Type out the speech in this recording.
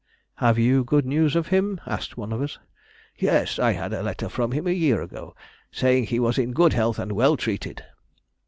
"Have you good news of him?" asked one of us. "Yes, I had a letter from him a year ago, saying he was in good health and well treated."